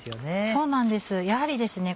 そうなんですやはりですね